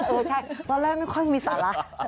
เออใช่ตอนแรกไม่ค่อยมีสาระ